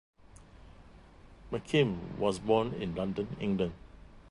McKim was born in London, England.